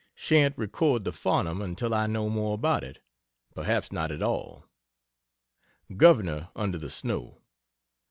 Shan't record the "Farnum" until I know more about it perhaps not at all. "Governor" under the snow.